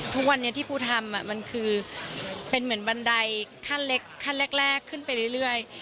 ทุกวันนี้ที่ปูทำมันคือเป็นเหมือนบันไดขั้นเล็กขั้นแรกขึ้นไปเรื่อย